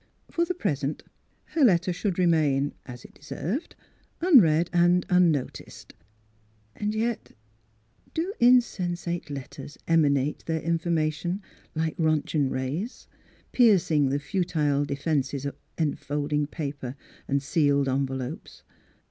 For the present her letter should remain (as it deserved) unread and unnoticed. And yet — Do insensate letters emanate their in formation, like Roentgen rays, piercing the futile defences of enfolding paper and sealed envelopes?